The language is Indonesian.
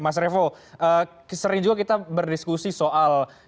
mas revo sering juga kita berdiskusi soal